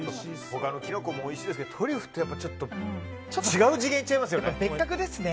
他のキノコもおいしいですけどトリュフってちょっと違う次元いっちゃいますね。